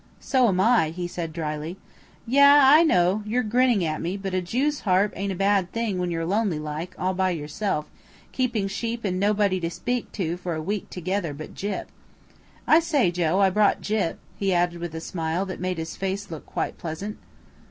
"So am I," he said drily. "Yah! I know: you're grinning at me, but a Jew's harp ain't a bad thing when you're lonely like, all by yourself, keeping sheep and nobody to speak to for a week together but Gyp. I say, Joe, I brought Gyp," he added with a smile that made his face look quite pleasant.